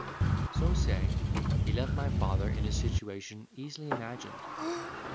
So saying, he left my father in a situation easily imagined.